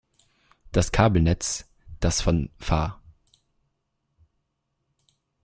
Das Kabelnetz, das von Fa.